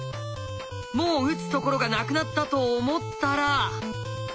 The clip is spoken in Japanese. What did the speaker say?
もう打つところがなくなったと思ったら。